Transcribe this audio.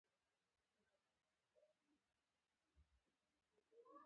آیا دا سوداګري ډیره ګټوره نه ده؟